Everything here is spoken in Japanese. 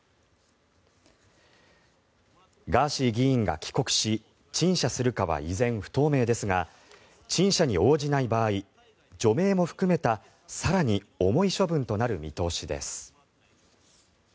ガーシー議員が帰国し陳謝するかは依然、不透明ですが陳謝に応じない場合除名も含めた更に重い処分となる見通しです。